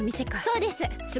そうです！